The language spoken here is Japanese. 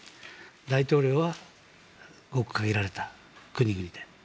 大統領はごく限られた国々で。